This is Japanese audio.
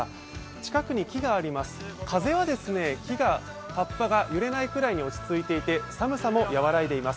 近くに木があります、風は葉っぱが揺れないくらいに落ち着いていて寒さも和らいでいます。